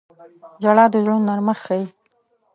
• ژړا د زړونو نرمښت ښيي.